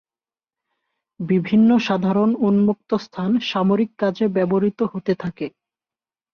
বিভিন্ন সাধারণ উন্মুক্ত স্থান সামরিক কাজে ব্যবহৃত হতে থাকে।